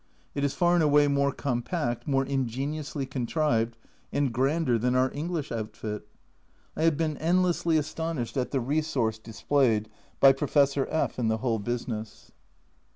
It is far and away more compact, more ingeniously contrived, and grander than our English outfit. I have been end lessly astonished at the resource displayed by Pro fessor F in the whole business.